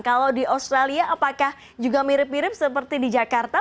kalau di australia apakah juga mirip mirip seperti di jakarta